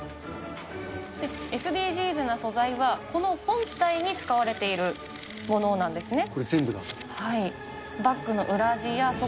ＳＤＧｓな素材は、この本体に使われているものなんですね。